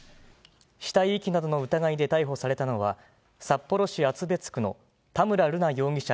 死体遺棄などの疑いで逮捕されたのは、札幌市厚別区の田村瑠奈容疑者